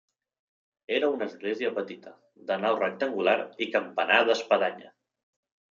Era una església petita, de nau rectangular i campanar d'espadanya.